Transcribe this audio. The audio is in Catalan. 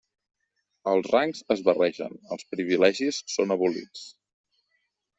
Els rangs es barregen, els privilegis són abolits.